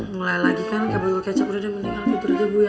mulai lagi kan kebetulan kecap udah mendingan fitur aja ibu ya